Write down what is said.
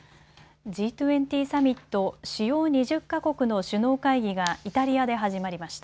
Ｇ２０サミット・主要２０か国の首脳会議がイタリアで始まりました。